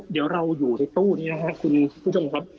เดี๋ยวเราอยู่ในตู้นี้นะครับคุณผู้ชมครับ